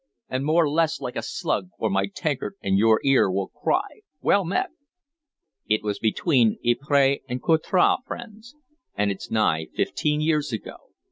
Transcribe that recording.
And move less like a slug, or my tankard and your ear will cry, 'Well met!') It was between Ypres and Courtrai, friends, and it's nigh fifteen years ago.